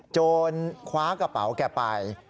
โจรคว้ากระเป๋าแกไป